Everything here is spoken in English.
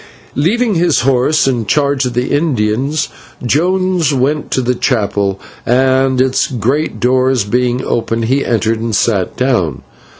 Leaving his horse in charge of the Indian, Jones went to the chapel, and, its great doors being open, he entered and sat down.